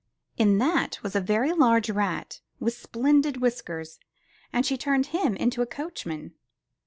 In that was a very large rat with splendid whiskers and she turned him into a coachman.